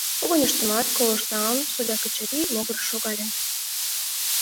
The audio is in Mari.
Когыньыштымат колышт налын, судья Качырий могырыш шогале.